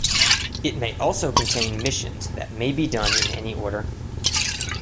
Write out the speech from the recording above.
It may also contain missions that may be done in any order.